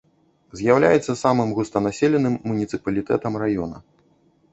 З'яўляецца самым густанаселеным муніцыпалітэтам раёна.